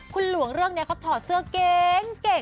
คุณหลวงเรื่องนี้เขาถอดเสื้อเก๋ง